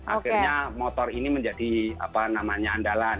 akhirnya motor ini menjadi apa namanya andalan